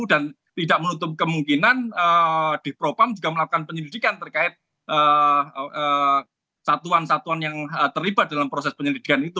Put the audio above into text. dan tidak menutup kemungkinan di propam juga melakukan penyelidikan terkait satuan satuan yang terlibat dalam proses penyelidikan itu